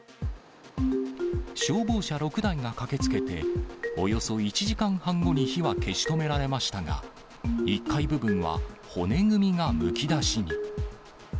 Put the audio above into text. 消防車６台が駆けつけて、およそ１時間半後に火は消し止められましたが、１階部分は骨組みがむき出しに。